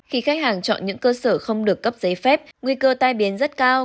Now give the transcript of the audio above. khi khách hàng chọn những cơ sở không được cấp giấy phép nguy cơ tai biến rất cao